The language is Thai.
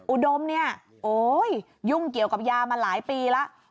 อุดมเนี่ยโอ้ยยุ่งเกี่ยวกับยามาหลายปีแล้ว